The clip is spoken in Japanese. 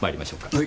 はい。